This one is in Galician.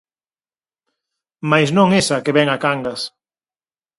Mais non esa que vén a Cangas.